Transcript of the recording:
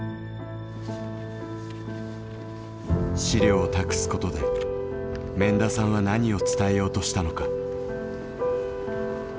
資料を託すことで免田さんは何を伝えようとしたのか。